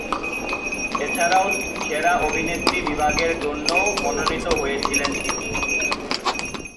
এছাড়াও সেরা অভিনেত্রী বিভাগের জন্যও মনোনীত হয়েছিলেন তিনি।